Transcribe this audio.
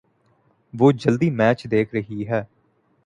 وہ جلدی میچ دیکھ رہی ہے۔